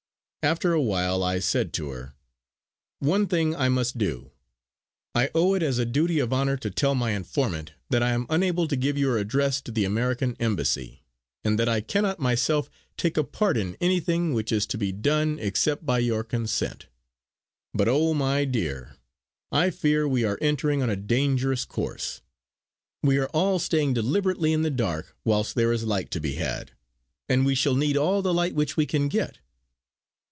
After a while I said to her: "One thing I must do. I owe it as a duty of honour to tell my informant that I am unable to give your address to the American Embassy, and that I cannot myself take a part in anything which is to be done except by your consent. But oh! my dear, I fear we are entering on a dangerous course. We are all staying deliberately in the dark, whilst there is light to be had; and we shall need all the light which we can get."